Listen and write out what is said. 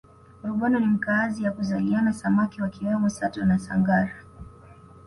rubondo ni makazi ya kuzaliana samaki wakiwemo sato na sangara